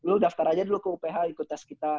lu daftar aja dulu ke uph ikut tes kita